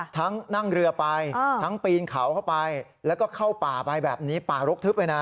ทั้งนั่งเรือไปทั้งปีนเขาเข้าไปแล้วก็เข้าป่าไปแบบนี้ป่ารกทึบเลยนะ